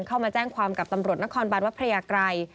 เข้ามาแจ้งความกับตำรวจนครบานวัดพระยากรัย